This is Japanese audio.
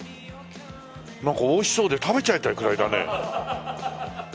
なんかおいしそうで食べちゃいたいくらいだね。